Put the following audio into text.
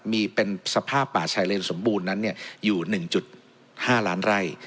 มีเป็นสภาพป่าชัยเลนสมบูรณ์นั้นเนี้ยอยู่หนึ่งจุดห้าล้านไร่